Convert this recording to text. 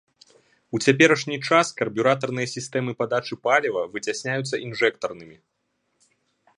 У цяперашні час карбюратарныя сістэмы падачы паліва выцясняюцца інжэктарнымі.